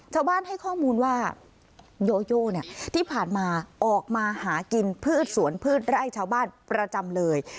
ชาวบ้านให้ข้อมูลว่าโยโยเนี่ยที่ผ่านมาออกมาหากินพืชสวนพืชไร่ชาวบ้านประจำเลย